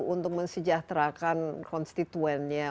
untuk mensejahterakan konstituennya